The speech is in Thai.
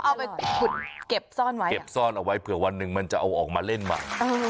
เอาไปขุดเก็บซ่อนไว้เก็บซ่อนเอาไว้เผื่อวันหนึ่งมันจะเอาออกมาเล่นใหม่